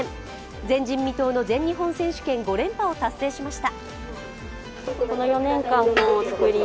前人未到の全日本選手権５連覇を達成しました。